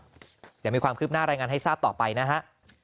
เดี๋ยวมีความคืบหน้ารายงานให้ทราบต่อไปนะฮะ